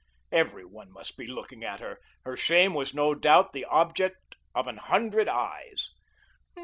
Every one must be looking at her. Her shame was no doubt the object of an hundred eyes.